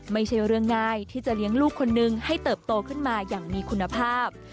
ไม่ใช่เรื่องง่ายที่จะเลี้ยงลูกคนนึงให้เติบโตขึ้นมาอย่างมีคุณภาพ